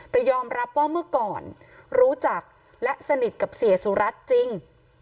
แต่ยอมรับว่าเมื่อก่อนรู้จักและสนิทกับเสียสุรัตน์จริง